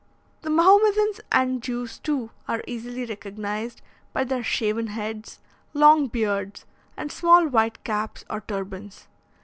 The Mahomedans and Jews, too, are easily recognised by their shaven heads, long beards, and small white caps or turbans.